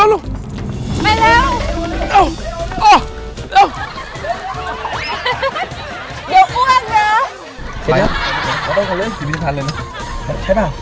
เดี๋ยวอ้วกเนอะไปละขอเต้นเขาเลยยังไม่ได้ทานเลยนะ